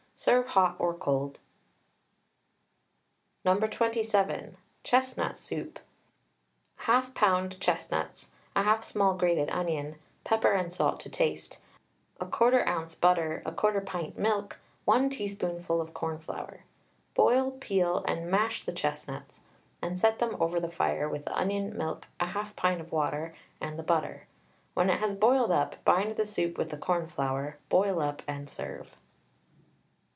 Serve hot or cold. No. 27. CHESTNUT SOUP. 1/2 lb. chestnuts, 1/2 small grated onion, pepper and salt to taste, 1/4 oz. butter, 1/4 pint milk, 1 teaspoonful of cornflour. Boil, peel, and mash the chestnuts, and set them over the fire with the onion, milk, 1/2 pint of water, and the butter. When it has boiled up, bind the soup with the cornflour, boil up, and serve.